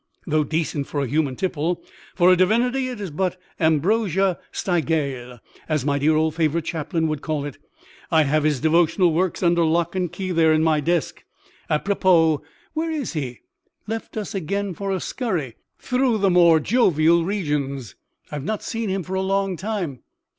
Though decent for a human tipple, for a divinity it is but ambrosie stygiale, as my dear old favorite chaplain would call it. I have his devotional works under lock and key there in my desk. Apropos, where is he? Left us again for a scurry through the more jovial regions? I have not seen him for a long time."